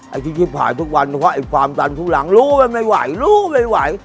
ไอ้ชิคกี้พายทุกวันเพราะว่าไอ้ความดันทุรังรู้ไปไม่ไหวรู้ไปไม่ไหว